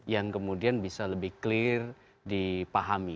yang kemudian bisa lebih clear dipahami